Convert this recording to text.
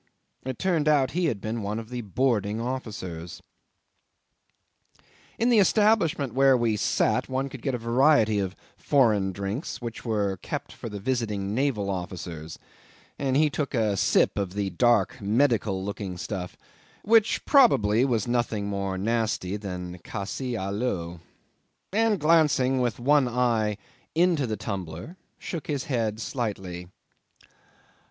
It turned out he had been one of the boarding officers. 'In the establishment where we sat one could get a variety of foreign drinks which were kept for the visiting naval officers, and he took a sip of the dark medical looking stuff, which probably was nothing more nasty than cassis a l'eau, and glancing with one eye into the tumbler, shook his head slightly.